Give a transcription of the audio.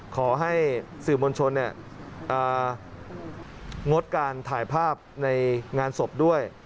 ขอให้สื่อมวลชนงดการถ่ายภาพในงานศพด้วย